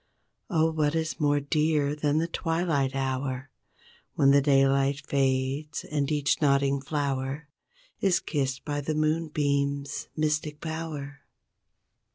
Oh what is more dear than the twilight hour When the daylight fades and each nodding flower Is kissed by the moonbeams' mystic power?